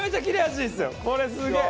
これすげえ！